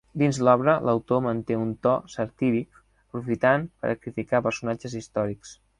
Dins l'obra l'autor manté un to satíric, aprofitant per a criticar personatges històrics.